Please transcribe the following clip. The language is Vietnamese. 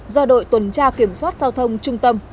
do đội tuần tra kiểm soát giao thông trung tâm